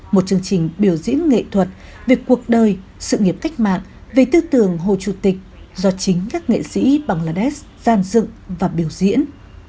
một chương trình biểu diễn nghệ thuật về cuộc đời sự nghiệp cách mạng về tư tưởng hồ chủ tịch do chính các nghệ sĩ bangladesh gian dựng và biểu diễn